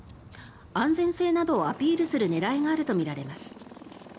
安全性などをアピールする狙いがあるとみられます。